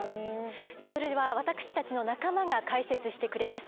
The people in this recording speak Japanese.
それでは私たちの仲間が解説してくれます。